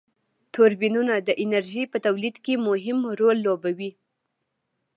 توربینونه د انرژی په تولید کی مهم رول لوبوي.